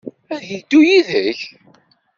Ad yeddu yid-k?